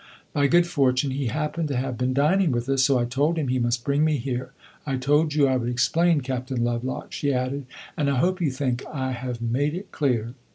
By good fortune he happened to have been dining with us; so I told him he must bring me here. I told you I would explain, Captain Lovelock," she added, "and I hope you think I have made it clear."